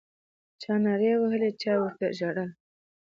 چا نارې وهلې چا ورته ژړله